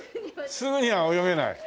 すぐには泳げない？